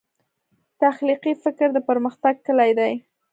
تخلیقي فکر د پرمختګ کلي دی.